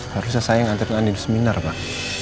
harusnya saya yang ngantret andin di seminar pak